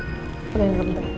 aku yang simpen